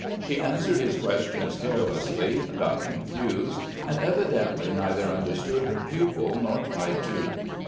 She answered his questions carelessly, got confused and evidently neither understood her pupil nor tried to.